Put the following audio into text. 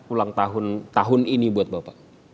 ulang tahun ini buat bapak